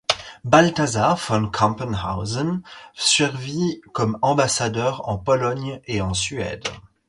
Balthazar von Campenhausen servit comme ambassadeur en Pologne et en Suède.